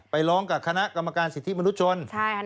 ร้องกับคณะกรรมการสิทธิมนุษยชน